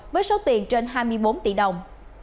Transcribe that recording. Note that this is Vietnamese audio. với số tiền trên hai mươi bốn tỷ đồng